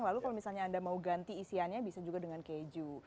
lalu kalau misalnya anda mau ganti isiannya bisa juga dengan keju